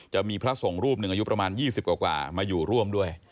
จะมีพระสงฆ์รูปหนึ่งอายุประมาณ๒๐กว่ามาอยู่ร่วมด้วย